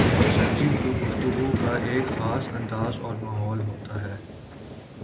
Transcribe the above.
سلجھی گفتگو کا ایک خاص انداز اور ماحول ہوتا ہے۔